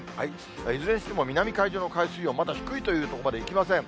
いずれにしても、南海上の海水温、まだ低いというところまでいきません。